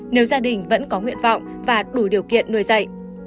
nếu gia đình vẫn có nguyện vọng và đủ điều kiện nuôi dạy